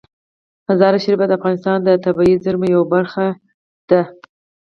مزارشریف د افغانستان د طبیعي زیرمو یوه ډیره لویه برخه ده.